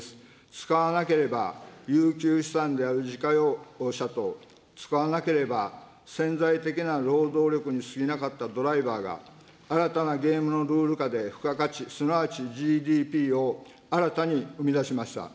使わなければ遊休資産である自家用車と、使わなければ潜在的な労働力にすぎなかったドライバーが、新たなゲームのルール下で付加価値、すなわちＧＤＰを新たに生み出しました。